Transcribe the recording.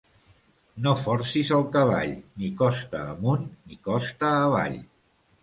No forcis el cavall ni costa amunt ni costa avall.